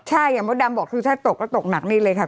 ใช่เหมือนกับเดิมบอกถ้าตกก็ตกหนักนี่เลยค่ะ